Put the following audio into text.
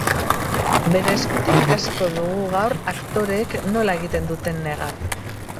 Bere eskutik ikasiko dugu gaur aktoreek nola egiten duten negar.